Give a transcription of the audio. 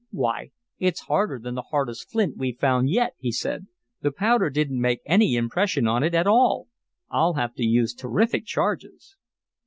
"Why, it's harder than the hardest flint we've found yet," he said. "The powder didn't make any impression on it at all. I'll have to use terrific charges."